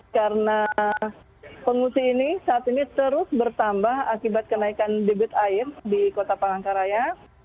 karena pengungsi ini saat ini terus bertambah akibat kenaikan debit air di kota palangkaraya